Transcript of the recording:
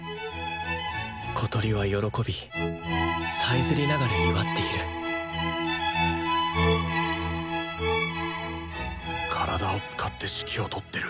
小鳥は喜びさえずりながら祝っている体を使って指揮をとってる。